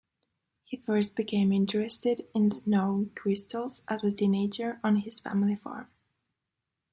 He first became interested in snow crystals as a teenager on his family farm.